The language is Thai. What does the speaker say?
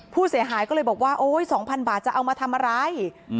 ผู้เสียหายก็เลยบอกว่าโอ๊ย๒๐๐๐บาทจะเอามาทำอะไร